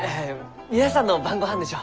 皆さんの晩ごはんでしょう？